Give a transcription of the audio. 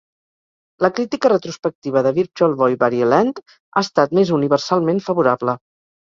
La crítica retrospectiva de "Virtual Boy Wario Land" ha estat més universalment favorable.